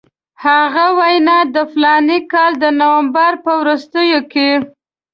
هغه وینا د فلاني کال د نومبر په وروستیو کې.